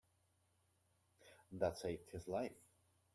That saved his life.